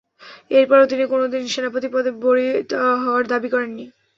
এরপরও তিনি কোনদিন সেনাপতি পদে বরিত হওয়ার দাবি করেননি।